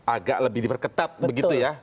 agak lebih diperketat begitu ya